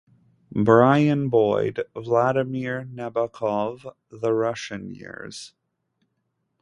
Brian Boyd: "Vladimir Nabokov: The Russian Years"